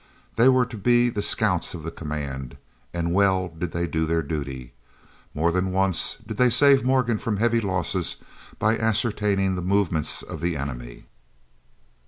They were to be the scouts of the command, and well did they do their duty. More than once did they save Morgan from heavy loss by ascertaining the movements of the enemy.